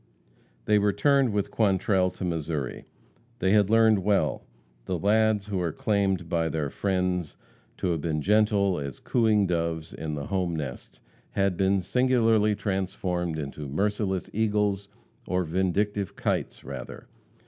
They returned with Quantrell to Missouri. They had learned well. The lads who are claimed by their friends to have been gentle as cooing doves in the home nest had been singularly transformed into merciless eagles, or vindictive kites, rather.